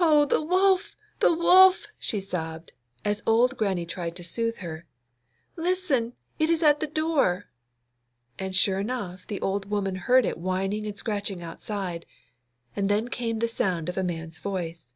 'Oh, the wolf! the wolf!' she sobbed, as old Grannie tried to soothe her. 'Listen, it is at the door.' And sure enough the old woman heard it whining and scratching outside, and then came the sound of a man's voice.